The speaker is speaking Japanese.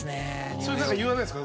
それ何か言わないんですか？